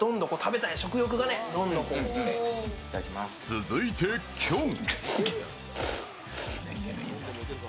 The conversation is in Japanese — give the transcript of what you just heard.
続いてきょん。